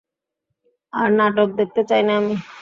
আর নাটক দেখতে চাই না আমি।